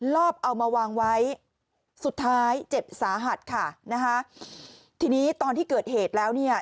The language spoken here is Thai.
รอบเอามาวางไว้สุดท้ายเจ็บสาหัสค่ะนะคะทีนี้ตอนที่เกิดเหตุแล้วเนี่ย